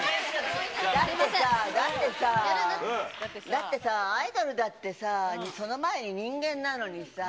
だってさ、アイドルだってさ、その前に人間なのにさ。